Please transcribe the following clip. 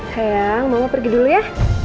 sayang mama pergi dulu ya